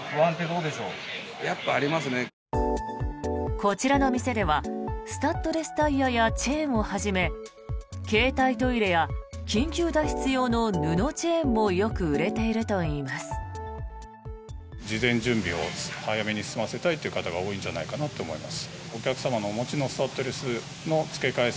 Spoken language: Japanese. こちらの店ではスタッドレスタイヤやチェーンをはじめ携帯トイレや緊急脱出用の布チェーンもよく売れているといいます。